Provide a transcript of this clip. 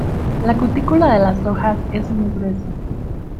La cutícula de las hojas es muy gruesa.